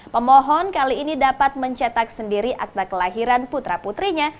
pemohon kali ini dapat mencetak sendiri akta kelahiran putra putrinya